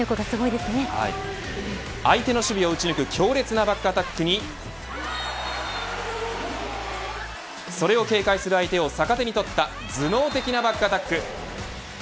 相手の守備を打ち抜く強烈なバックアタックにそれを警戒する相手を逆手に取った頭脳的なバックアタック。